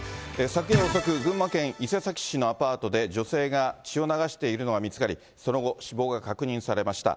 昨夜遅く、群馬県伊勢崎市のアパートで、女性が血を流しているのが見つかり、その後、死亡が確認されました。